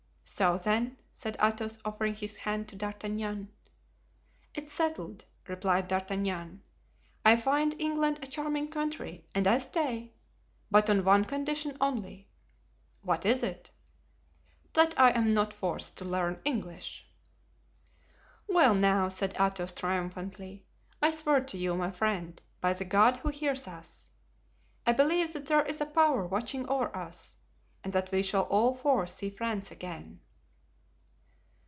"So, then?" said Athos, offering his hand to D'Artagnan. "'Tis settled," replied D'Artagnan. "I find England a charming country, and I stay—but on one condition only." "What is it?" "That I am not forced to learn English." "Well, now," said Athos, triumphantly, "I swear to you, my friend, by the God who hears us—I believe that there is a power watching over us, and that we shall all four see France again."